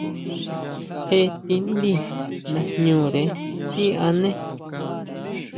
Jé tindí najñure tíʼané.